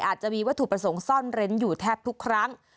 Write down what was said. อาจจะมีวัตถุประสงค์ซ่อนเร้นอยู่แทบทุกครั้ง